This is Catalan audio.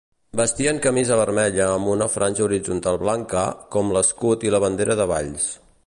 Vestien camisa vermella amb una franja horitzontal blanca, com l'escut i la bandera de Valls.